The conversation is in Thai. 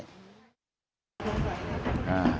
ใช่